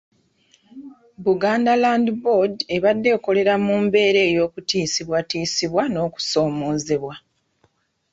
Buganda Land Board ebadde ekolera mu mbeera ey'okutiisibwatiisibwa n'okusoomoozebwa.